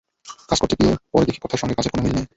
কাজ করতে গিয়ে পরে দেখি, কথার সঙ্গে কাজের কোনো মিল নেই।